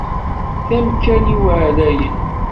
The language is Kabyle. D amkan-iw ɛlayen.